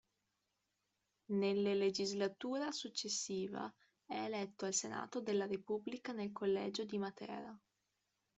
Nelle legislatura successiva è eletto al Senato della Repubblica nel Collegio di Matera.